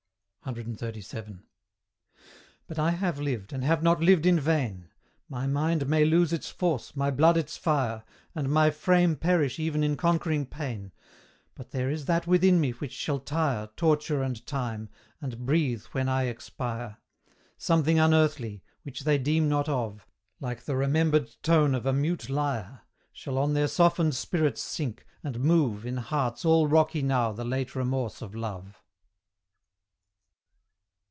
CXXXVII. But I have lived, and have not lived in vain: My mind may lose its force, my blood its fire, And my frame perish even in conquering pain, But there is that within me which shall tire Torture and Time, and breathe when I expire: Something unearthly, which they deem not of, Like the remembered tone of a mute lyre, Shall on their softened spirits sink, and move In hearts all rocky now the late remorse of love.